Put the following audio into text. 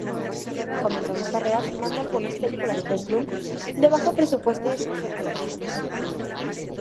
Comenzó su carrera filmando algunas películas "peplum" de bajo presupuesto y escaso reconocimiento.